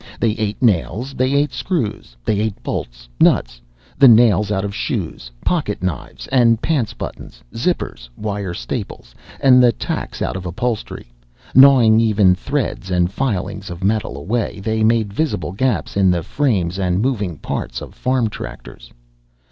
They ate nails. They ate screws. They ate bolts, nuts, the nails out of shoes, pocket knives and pants buttons, zippers, wire staples and the tacks out of upholstery. Gnawing even threads and filings of metal away, they made visible gaps in the frames and moving parts of farm tractors.